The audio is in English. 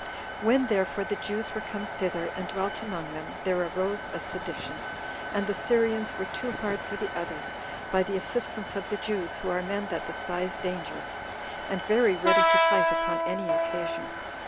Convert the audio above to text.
When, therefore, the Jews were come thither, and dwelt among them, there arose a sedition, and the Syrians were too hard for the other, by the assistance of the Jews, who are men that despise dangers, and very ready to fight upon any occasion.